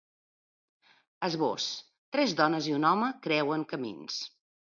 Esbós: Tres dones i un home creuen camins.